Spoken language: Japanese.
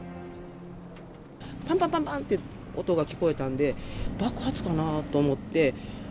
ぱんぱんぱんぱんっていう音が聞こえたんで、爆発かなと思って。